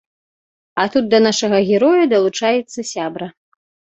А тут да нашага героя далучаецца сябра.